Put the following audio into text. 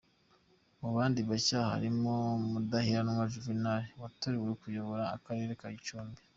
Mu bandi bashya harimo Mudaheranwa Juvenal watorewe kuyobora Akarere ka Gicumbi.